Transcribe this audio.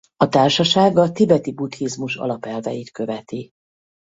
A társaság a tibeti buddhizmus alapelveit követi.